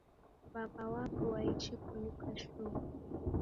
W'aw'a wapo waichi kuluka shuu